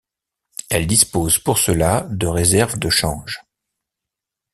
Elles disposent pour cela de réserves de change.